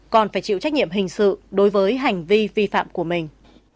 còn phải chịu trách nhiệm hình sự đối với hành vi vi phạm của mình